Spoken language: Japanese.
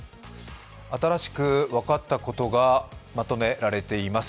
新しく分かったことがまとめられています。